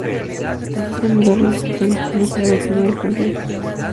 Los dos ganadores disputan la final para definir al campeón.